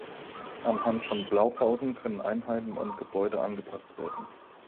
Anhand von Blaupausen können Einheiten und Gebäude angepasst werden.